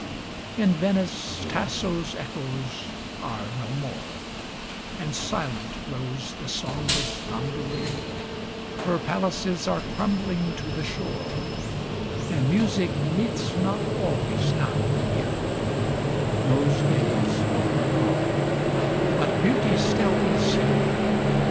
In Venice, Tasso's echoes are no more, And silent rows the songless gondolier; Her palaces are crumbling to the shore, And music meets not always now the ear: Those days are gone but Beauty still is here.